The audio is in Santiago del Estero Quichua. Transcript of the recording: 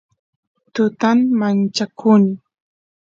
tutan manchakuni